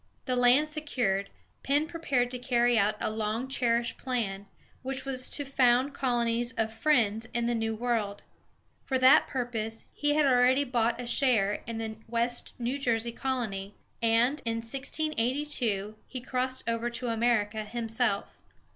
The land secured, Penn prepared to carry out a long cherished plan, which was to found colonies of Friends in the New World. For that purpose, he had already bought a share in the West New Jersey colony, and, in 1682, he crossed over to America himself.